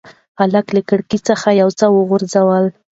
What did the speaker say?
هلک له کړکۍ څخه یو څه وغورځول.